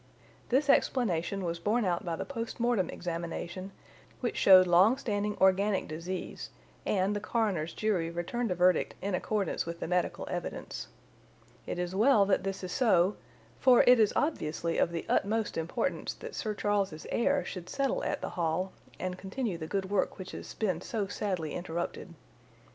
This explanation was borne out by the post mortem examination, which showed long standing organic disease, and the coroner's jury returned a verdict in accordance with the medical evidence. It is well that this is so, for it is obviously of the utmost importance that Sir Charles's heir should settle at the Hall and continue the good work which has been so sadly interrupted.